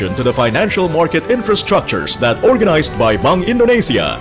infrastruktur pasar finansial yang diorganisasi oleh bank indonesia